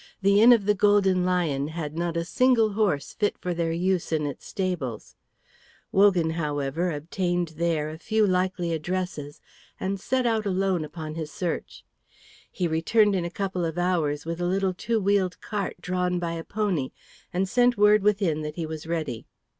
The inn of "The Golden Lion" had not a single horse fit for their use in its stables. Wogan, however, obtained there a few likely addresses and set out alone upon his search. He returned in a couple of hours with a little two wheeled cart drawn by a pony, and sent word within that he was ready.